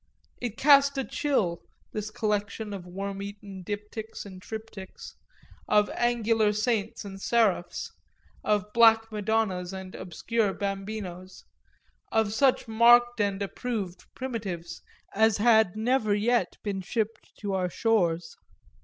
It cast a chill, this collection of worm eaten diptychs and triptychs, of angular saints and seraphs, of black Madonnas and obscure Bambinos, of such marked and approved "primitives" as had never yet been shipped to our shores.